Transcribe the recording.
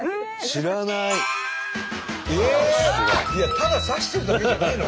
ただ刺してるだけじゃないの？